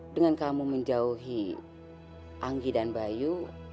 dengan kamu menjauhi anggi dan bayu